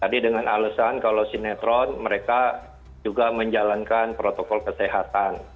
tadi dengan alasan kalau sinetron mereka juga menjalankan protokol kesehatan